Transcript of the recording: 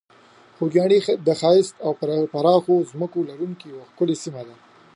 خوږیاڼي د ښایسته او پراخو ځمکو لرونکې یوه ښکلې سیمه ده.